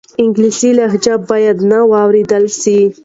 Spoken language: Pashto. انګلیسي لهجه باید نه واورېدل سي.